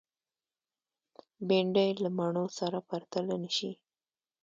بېنډۍ له مڼو سره پرتله نشي